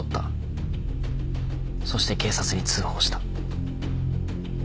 そして警察に通報した。